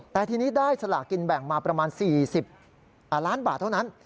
แต่ทีนี้ได้สลากินแบ่งมาประมาณ๔๐ล้านบาทเท่านั้น